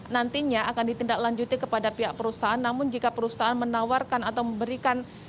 nantinya akan ditindaklanjuti kepada pihak perusahaan namun jika perusahaan menawarkan atau memberikan